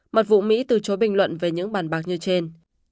mật vụ mỹ từ chối bình luận về những bàn bạc như trên